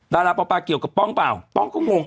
ดาราปอปาเกี่ยวกับป้องเปล่าป้องก็งง